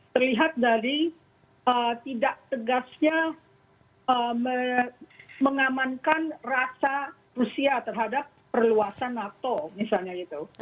terlihat dari tidak tegasnya mengamankan rasa rusia terhadap perluasan nato misalnya gitu